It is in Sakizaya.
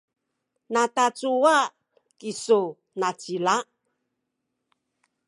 natacuwa kisu nacila?